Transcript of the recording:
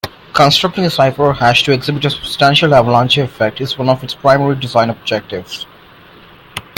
Constructing a cipher or hash to exhibit a substantial avalanche effect is one of its primary design objectives.